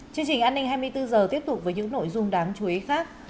chương trình an ninh hai mươi bốn h tiếp tục với những nội dung đáng chú ý khác